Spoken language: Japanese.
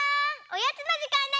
おやつのじかんだよ！